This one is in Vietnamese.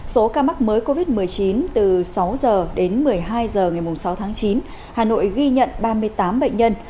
số ca mắc mới covid một mươi chín từ sáu h đến một mươi hai h ngày sáu tháng chín hà nội ghi nhận ba mươi tám bệnh nhân